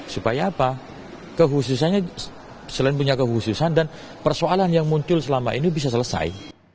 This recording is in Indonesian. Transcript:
supaya apa kehususannya selain punya kekhususan dan persoalan yang muncul selama ini bisa selesai